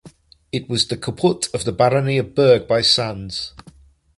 It was the caput of the barony of Burgh by Sands.